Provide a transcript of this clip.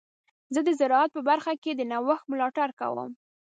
زه د زراعت په برخه کې د نوښت ملاتړ کوم.